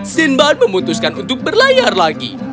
sinban memutuskan untuk berlayar lagi